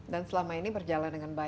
dan selama ini berjalan